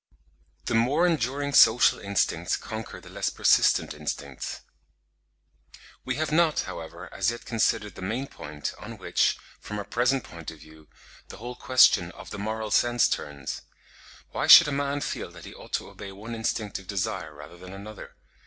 THE MORE ENDURING SOCIAL INSTINCTS CONQUER THE LESS PERSISTENT INSTINCTS. We have not, however, as yet considered the main point, on which, from our present point of view, the whole question of the moral sense turns. Why should a man feel that he ought to obey one instinctive desire rather than another?